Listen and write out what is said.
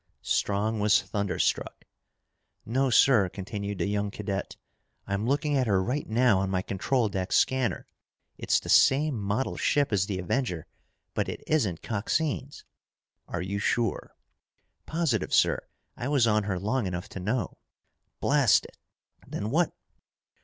Strong was thunderstruck. "No, sir," continued the young cadet. "I'm looking at her right now on my control deck scanner. It's the same model ship as the Avenger, but it isn't Coxine's!" "Are you sure?" "Positive, sir. I was on her long enough to know." "Blast it! Then what